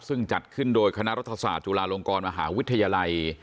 ซึ่งจัดขึ้นโดยคณะรัฐศาสตร์จุฬาลงกรมหาวิทยาลัย